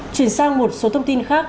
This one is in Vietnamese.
chuyển sang một số thông tin khác